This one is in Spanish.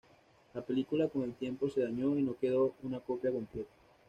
La película con el tiempo se dañó y no quedó una copia completa.